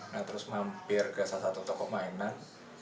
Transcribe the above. nah terus mampir ke salah satu toko mainan